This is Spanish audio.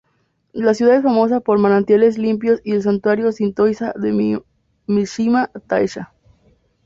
La ciudad es famosa por manantiales limpios y el santuario sintoísta de Mishima Taisha.